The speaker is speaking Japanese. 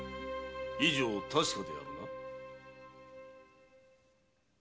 以上確かであるな？